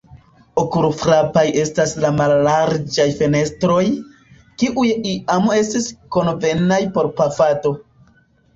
Okulfrapaj estas la mallarĝaj fenestroj, kiuj iam estis konvenaj por pafado.